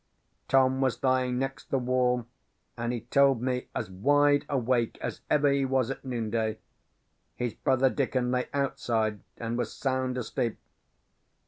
"Tom was lying next the wall, and he told me, as wide awake as ever he was at noonday. His brother Dickon lay outside, and was sound asleep.